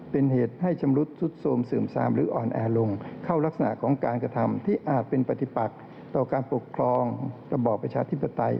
เป็นเหตุให้ชำรุดสุดโทรมเสื่อมซามหรืออ่อนแอลงเข้ารักษณะของการกระทำที่อาจเป็นปฏิปักต่อการปกครองระบอบประชาธิปไตย